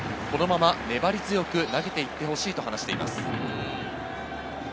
このまま粘り強く投げていってほしいと話しています。